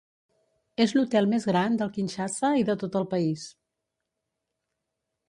És l'hotel més gran del Kinshasa i del tot el país.